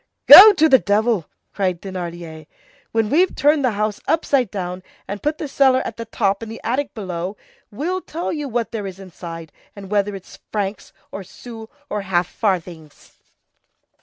"Go to the devil!" cried Thénardier. "When we've turned the house upside down and put the cellar at the top and the attic below, we'll tell you what there is inside, and whether it's francs or sous or half farthings."